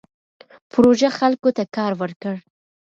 پروژه خلکو ته کار ورکړ.